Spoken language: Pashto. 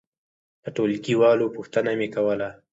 د ټولګي والو پوښتنه مې کوله.